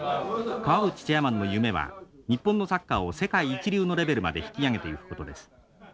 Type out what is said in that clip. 川淵チェアマンの夢は日本のサッカーを世界一流のレベルまで引き上げていくことです。